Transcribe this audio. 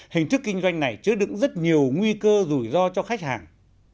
hình thức kinh doanh này chứa đứng rất nhiều nguy cơ rủi ro cho khách hàng